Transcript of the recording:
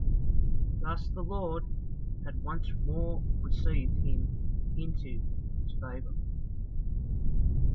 Thus the Lord had once more received him into his favour.